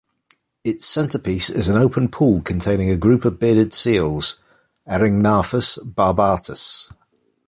Its centerpiece is an open pool containing a group of bearded seals, "Erignathus barbatus".